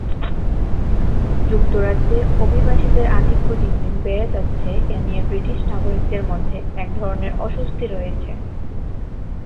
যুক্তরাজ্যে অভিবাসীদের আধিক্য দিন দিন বেড়ে যাচ্ছে এ নিয়ে ব্রিটিশ নাগরিকদের মধ্যে এক ধরনের অস্বস্তি রয়েছে।